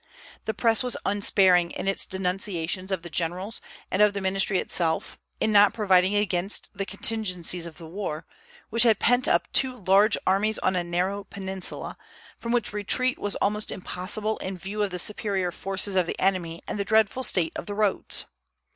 The Press was unsparing in its denunciations of the generals, and of the ministry itself, in not providing against the contingencies of the war, which had pent up two large armies on a narrow peninsula, from which retreat was almost impossible in view of the superior forces of the enemy and the dreadful state of the roads.